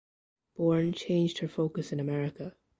Born changed her focus in America.